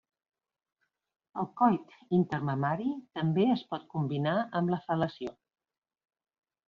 El coit intermamari també es pot combinar amb la fel·lació.